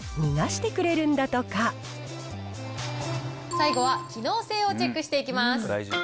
最後は機能性をチェックしていきます。